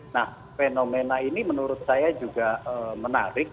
nah fenomena ini menurut saya juga menarik